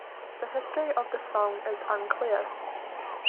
The history of the song is unclear.